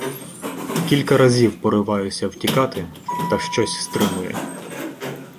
Кілька разів пориваюся втікати, та щось стримує.